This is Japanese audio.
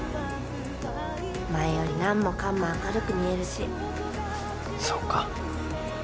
前より何もかんも明るく見えるしそうか